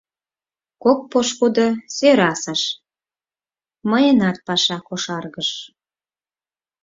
Кок пошкудо сӧрасыш — мыйынат паша кошаргыш.